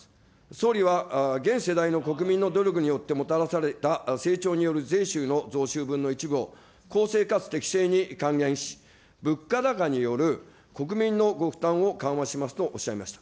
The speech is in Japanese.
総理は、現世代の国民の努力によってもたらされた成長による税収の増収分の一部を公正かつ適正に還元し、物価高による国民のご負担を緩和しますとおっしゃいました。